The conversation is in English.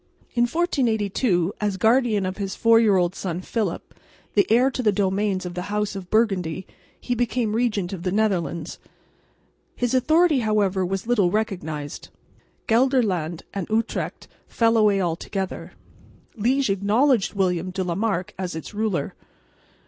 In 1482, as guardian of his four year old son Philip, the heir to the domains of the house of Burgundy, he became regent of the Netherlands. His authority however was little recognised. Gelderland and Utrecht fell away altogether. Liège acknowledged William de la Marck as its ruler.